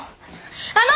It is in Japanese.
あの！